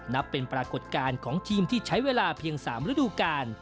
นับเป็นปรากฏการณ์ของทีมที่ใช้เวลาเพียง๓ฤดูกาล